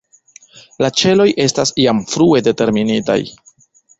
La ĉeloj estas jam frue determinitaj.